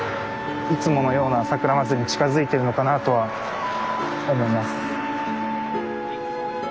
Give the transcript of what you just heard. いつものようなさくらまつりに近づいてるのかなとは思います。